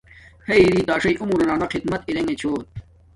ہݵئ رݵ تݳ ݳݽݵئ عمرَنݳ خدمت ارݵگُچھݸت.